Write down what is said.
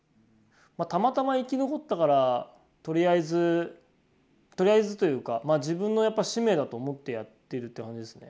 たまたま生き残ったからとりあえずとりあえずというか自分のやっぱ使命だと思ってやってるって感じですね